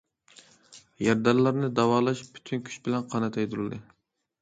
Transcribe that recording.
يارىدارلارنى داۋالاش پۈتۈن كۈچ بىلەن قانات يايدۇرۇلدى.